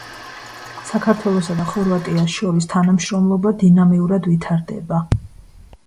საქართველოსა და ხორვატიას შორის თანამშრომლობა დინამიურად ვითარდება.